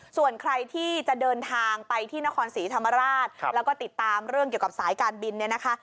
ส่วนใครที่จะเดินทางไปที่นครศรีธรรมราชแล้วก็ติดตามเรื่องเกี่ยวกับสายการบินเนี่ยนะคะ